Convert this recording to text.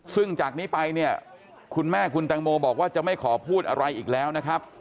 ซึ่งจากนี้ไปเนี่ยคุณแม่คุณตังโมบอกว่าจะไม่ขอพูดอะไรอีกแล้วนะครับ